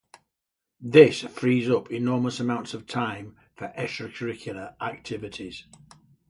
This frees up enormous amounts of time for extra-curricular activities.